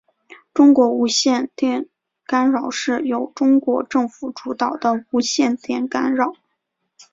中国无线电干扰是由中国政府主导的无线电干扰。